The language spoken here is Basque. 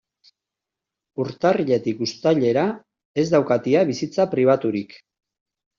Urtarriletik uztailera ez daukat ia bizitza pribaturik.